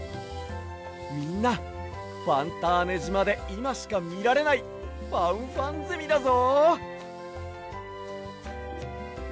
みんなファンターネじまでいましかみられないファンファンゼミだぞ！